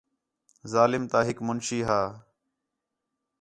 ظالم تا ہِک مُنشی ہا